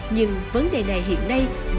nhưng vấn đề này hiện nay